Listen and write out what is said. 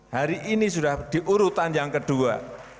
hari ini sudah di urutan yang kedua